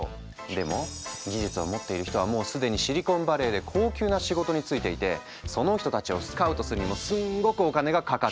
でも技術を持っている人はもう既にシリコンバレーで高級な仕事に就いていてその人たちをスカウトするにもすんごくお金がかかっちゃう。